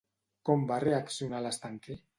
Com va reaccionar l'estanquer?